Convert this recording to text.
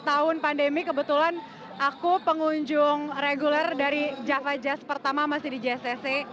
setelah pandemi kebetulan aku pengunjung reguler dari java jazz pertama masih di jazz cc